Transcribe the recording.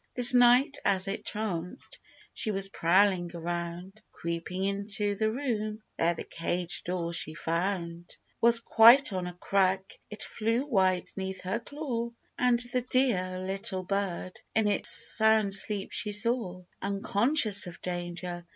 This night, as it chanced, she was prowling around ; Creeping into the room, there the cage door she found Was quite on a crack ; it flew wide 'neath her claw, And the dear little bird in its sound sleep she saw, Unconscious of danger